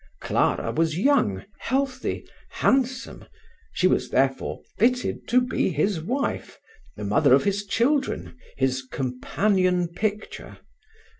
Clara was young, healthy, handsome; she was therefore fitted to be his wife, the mother of his children, his companion picture.